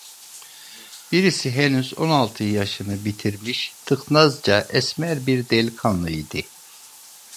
Birisi henüz on altı yaşını bitirmiş, tıknazca, esmer bir delikanlı idi.